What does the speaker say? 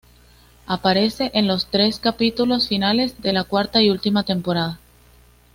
Aparece en los tres capítulos finales de la cuarta y última temporada.